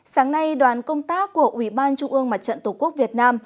sáng nay đoàn công tác của ủy ban trung ương mặt trận tổ quốc việt nam